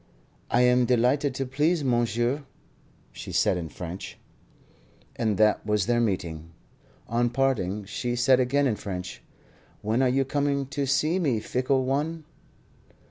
"I am delighted to please monsieur," she said in French. And that was their meeting. On parting she said again in French: "When are you coming to see me, fickle one?"